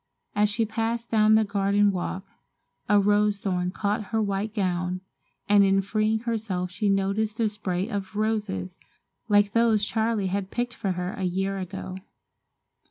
As she passed down the garden walk, a rose thorn caught her white gown, and in freeing herself she noticed a spray of roses like those Charles had picked for her a year ago.